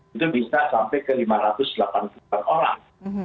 itu bisa sampai ke lima ratus delapan puluh an orang